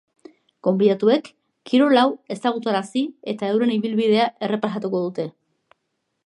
Gonbidatuek kirol hau ezagutarazi eta euren ibilbidea errepasatuko dute.